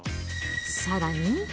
さらに。